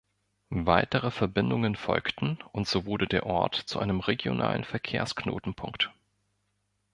Weitere Verbindungen folgten und so wurde der Ort zu einem regionalen Verkehrsknotenpunkt.